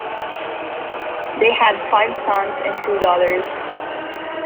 They had five sons and two daughters.